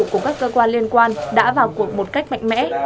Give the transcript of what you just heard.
cùng các cơ quan liên quan đã vào cuộc một cách mạnh mẽ